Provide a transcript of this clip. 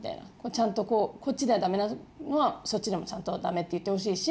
ちゃんとこうこっちではダメなのはそっちでもちゃんとダメって言ってほしいし。